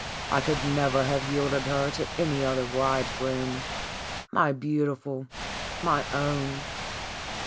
I could never have yielded her to any other bridegroom. My Beautiful! My Own!"